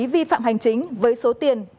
vi phạm hành chính với số tiền